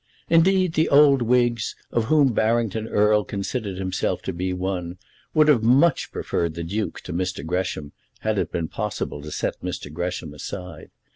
Indeed the old Whigs, of whom Barrington Erle considered himself to be one, would have much preferred the Duke to Mr. Gresham, had it been possible to set Mr. Gresham aside.